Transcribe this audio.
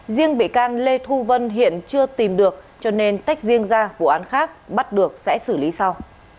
riêng bị can lê thu vân hiện chưa tìm được cho nên tách riêng ra vụ án khác bắt được sẽ xử lý sau